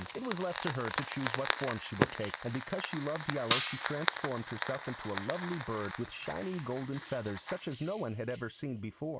It was left to her to choose what form she would take, and because she loved yellow she transformed herself into a lovely bird with shining golden feathers such as no one had ever seen before.